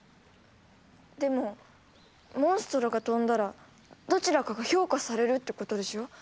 でもモンストロが飛んだらどちらかが評価されるってことでしょ？